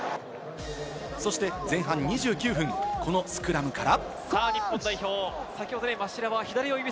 そして前半２９分、このスクラムから。